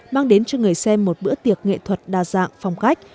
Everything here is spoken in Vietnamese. mang đến cho người xem một bữa tiệc nghệ thuật đa dạng phong cách